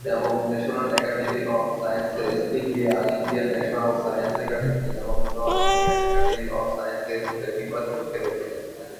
এবং national academy of sciences, India, Indian national science academy এবং the Indian academy of sciences এর নির্বাচিত fellow ছিলেন।